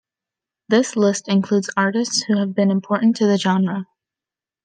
This list includes artists who have been important to the genre.